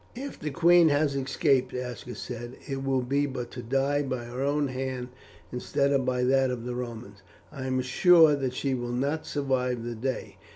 "If the queen has escaped," Aska said, "it will be but to die by her own hand instead of by that of the Romans. I am sure that she will not survive this day.